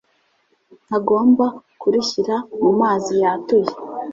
ntagomba kurishyira mu mazi yatuye